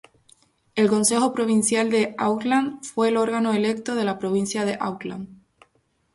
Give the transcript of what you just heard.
El Consejo Provincial de Auckland fue el órgano electo de la provincia de Auckland.